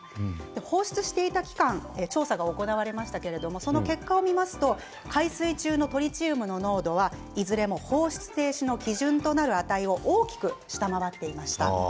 放出していた期間調査が行われましたけれどもその結果を見ますと海水中のトリチウムの濃度はいずれも放出停止の基準となる値を大きく下回っていました。